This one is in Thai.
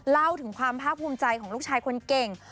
เล่าถึงความภาคภูมิใจของลูกชายคนเก่ง